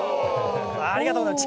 ありがとうございます。